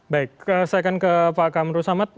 baik saya akan ke pak kamru samad